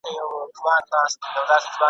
چي را لوی سم په کتاب کي مي لوستله !.